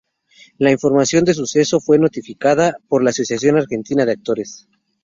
La información de su deceso fue notificada por la Asociación Argentina de Actores.